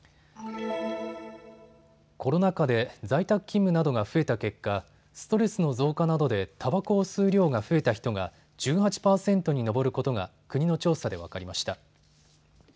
コロナ禍で在宅勤務などが増えた結果、ストレスの増加などでたばこを吸う量が増えた人が１８％に上ることが国の調査で分かりました。